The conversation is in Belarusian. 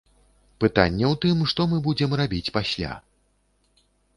Пытанне ў тым, што мы будзем рабіць пасля.